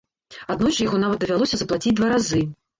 Аднойчы яго нават давялося заплаціць два разы.